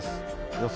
予想